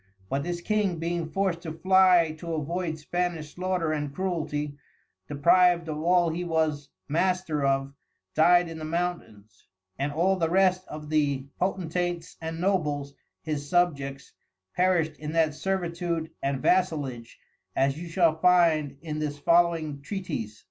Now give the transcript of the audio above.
But this King being forced to fly to avoid the Spanish slaughter and Cruelty, deprived of all he was Master of, died in the Mountains; and all the rest of the Potentates and Nobles, his subjects, perished in that servitude and Vassalage; as you shall find in this following Treatise.